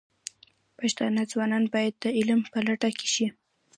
پښتانه ځوانان باید د علم په لټه کې شي.